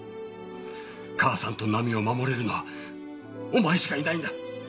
母さんと奈美を守れるのはお前しかいないんだ！